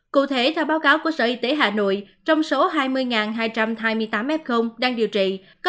cụ thể theo báo cáo của sở y tế hà nội trong số hai mươi hai trăm hai mươi tám f đang điều trị